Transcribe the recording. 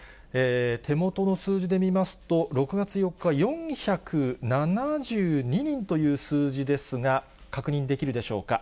手元の数字で見ますと、６月４日、４７２人という数字ですが、確認できるでしょうか。